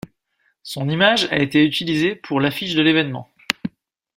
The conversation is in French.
Son image a été utilisée pour l'affiche de l'événement.